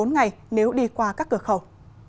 một mươi bốn ngày nếu đi qua các cửa khẩu